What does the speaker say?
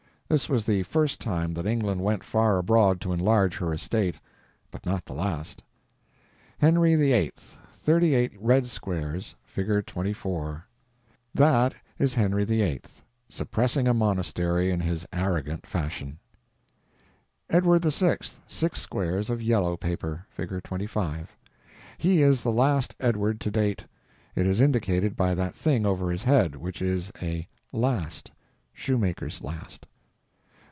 This was the first time that England went far abroad to enlarge her estate—but not the last. Henry VIII.; thirty eight _red _squares. (Fig. 24.) That is Henry VIII. suppressing a monastery in his arrogant fashion. Edward VI.; six squares of _yellow _paper. (Fig. 25.) He is the last Edward to date. It is indicated by that thing over his head, which is a last—shoemaker's last.